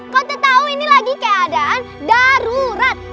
kau tuh tau ini lagi keadaan darurat